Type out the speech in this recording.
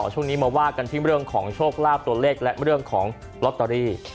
ช่วงนี้มาว่ากันที่เรื่องของโชคลาภตัวเลขและเรื่องของลอตเตอรี่